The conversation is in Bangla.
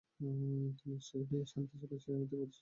তিনি সুয়েডীয় শান্তি ও সালিশি সমিতি-র প্রতিষ্ঠাতা সদস্য ছিলেন।